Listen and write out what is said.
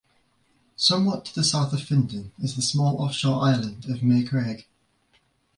Somewhat to the south of Findon is the small offshore island of May Craig.